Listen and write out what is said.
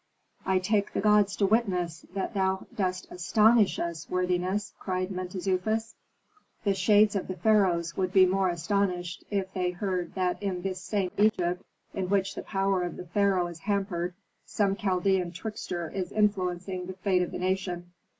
"I take the gods to witness that thou dost astonish us, worthiness," cried Mentezufis. "The shades of the pharaohs would be more astonished if they heard that in this same Egypt in which the power of the pharaoh is hampered, some Chaldean trickster is influencing the fate of the nation."